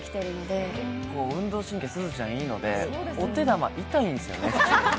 結構、運動神経がすずちゃんはいいので、お手玉痛いんですよね。